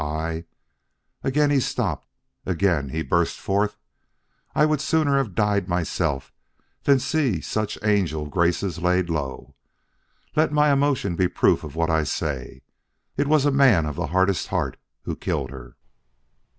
I," again he stopped; again he burst forth, "I would sooner have died myself than seen such angel graces laid low. Let my emotion be proof of what I say. It was a man of the hardest heart who killed her."